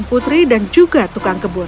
kau akan muncul sangat kenyataan